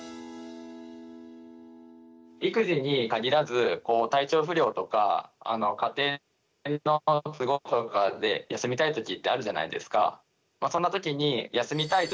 育児に限らず体調不良とか家庭の都合とかで休みたい時ってあるじゃないですか。